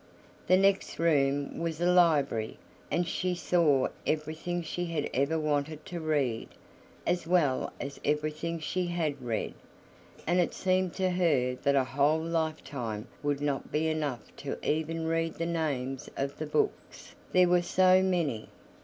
The next room was a library, and she saw everything she had ever wanted to read, as well as everything she had read, and it seemed to her that a whole lifetime would not be enough to even read the names of the books, there were so many.